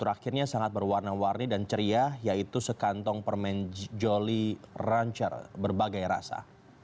akhirnya sangat berwarna warni dan ceria yaitu sekantong permen joli rancher berbagai rasa